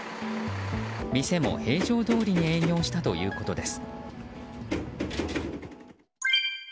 店も平常どおりに営業したということです。